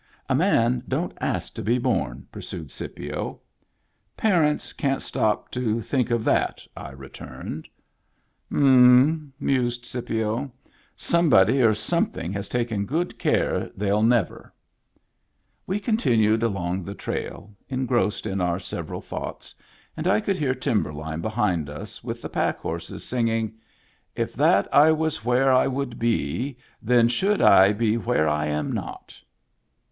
"A man don't ask to be born," pursued Scipio. " Parents can't stop to think of that," I re turned. Digitized by Google 142 MEMBERS OF THE FAMILY "H'm," mused Scipio, "Somebody or some* thing has taken good care they'll never." We continued along the trail, engrossed in our several thoughts, and I could hear Timberline, behind us with the pack horses, singing: —. If that I was where I would be. Then should I be where I am not.